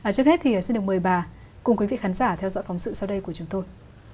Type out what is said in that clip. trước hết thì xin được mời bà cùng quý vị khán giả theo dõi phóng sự sau đây của chúng tôi